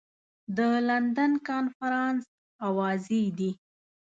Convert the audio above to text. د لندن کنفرانس اوازې دي.